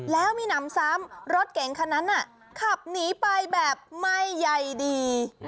แล้วมีหนำซ้ำรถเก๋งคันนั้นขับหนีไปแบบไม่ใหญ่ดี